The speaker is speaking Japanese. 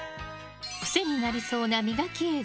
癖になりそうな磨き映像